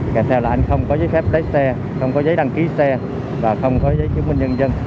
kèm theo là anh không có giấy phép lái xe không có giấy đăng ký xe và không có giấy chứng minh nhân dân